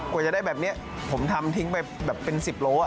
กว่าจะได้แบบนี้ผมทำทิ้งไปแบบเป็น๑๐โล